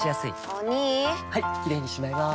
お兄はいキレイにしまいます！